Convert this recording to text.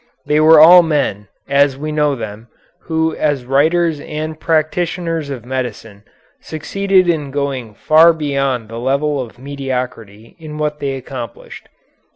They were all men, as we know them, who as writers and practitioners of medicine succeeded in going far beyond the level of mediocrity in what they accomplished."